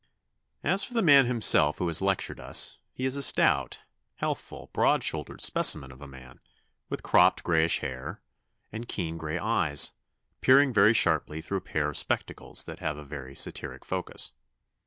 ] "As for the man himself who has lectured us, he is a stout, healthful, broad shouldered specimen of a man, with cropped grayish hair, and keenish gray eyes, peering very sharply through a pair of spectacles that have a very satiric focus.